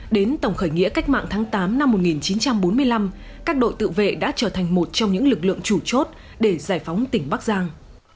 đến tổng khởi nghĩa cách mạng tháng tám năm một nghìn chín trăm bốn mươi năm các đội tự vệ đã trở thành một trong những lực lượng chủ chốt để giải phóng tỉnh bắc giang